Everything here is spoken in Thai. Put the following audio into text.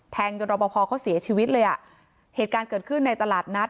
จนรอบพอเขาเสียชีวิตเลยอ่ะเหตุการณ์เกิดขึ้นในตลาดนัด